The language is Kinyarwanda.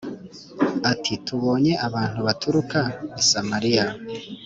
bati “Tubonye abantu baturuka i Samariya”